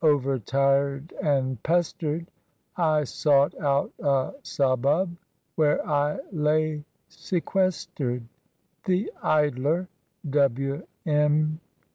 Over tired and pestered, I sought out a subbub Where I lay sequestered. "The Idler," PV. M.